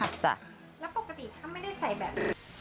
จ้ะแล้วปกติถ้าไม่ได้ใส่แบบ